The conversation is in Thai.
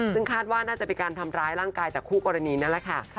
ซึ่งคาดว่าน่าจะเป็นการทำร้ายร่างกายจากคู่กรณีนั่นแหละค่ะ